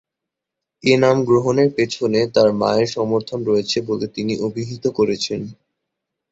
এ নাম গ্রহণের পেছনে তার মায়ের সমর্থন রয়েছে বলে তিনি অভিহিত করেছেন।